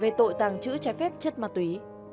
về tội tàng trữ trái phép chất ma túy